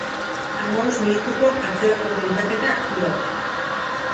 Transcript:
Hamabost minutuko atzerako kontaketa aktibatu.